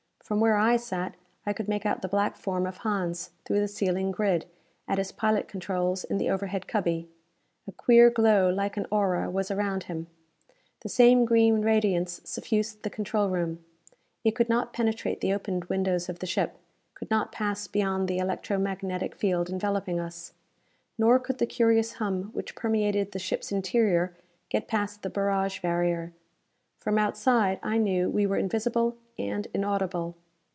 From where I sat I could make out the black form of Hans through the ceiling grid, at his pilot controls in the overhead cubby. A queer glow like an aura was around him. The same green radiance suffused the control room. It could not penetrate the opened windows of the ship; could not pass beyond the electro magnetic field enveloping us. Nor could the curious hum which permeated the ship's interior get past the barrage barrier. From outside, I knew, we were invisible and inaudible.